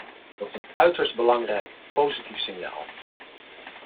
Dat is een uiterst belangrijk positief signaal.